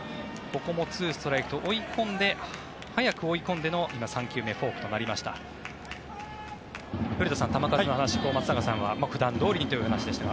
ここも２ストライクと早く追い込んでの３球目フォークとなりました。